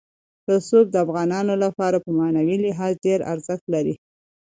رسوب د افغانانو لپاره په معنوي لحاظ ډېر ارزښت لري.